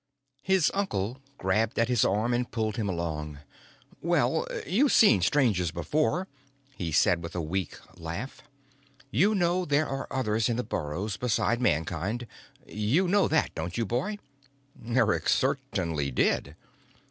His uncle grabbed at his arm and pulled him along. "Well, you've seen Strangers before," he said with a weak laugh. "You know there are others in the burrows besides Mankind. You know that, don't you, boy?" Eric certainly did.